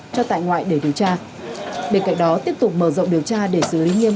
cho tại ngoại để điều tra bên cạnh đó tiếp tục mở rộng điều tra để xử lý nghiêm